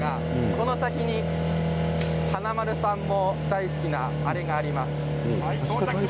この先に華丸さんも大好きなあれがあります。